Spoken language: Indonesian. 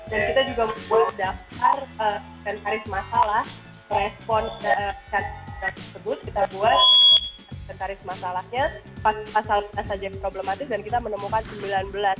dan kita juga buat daftar sentaris masalah respon ke chat tersebut kita buat sentaris masalahnya pasal pasal yang problematis dan kita menemukan sembilan belas